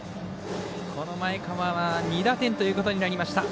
前川は２打点ということになりました。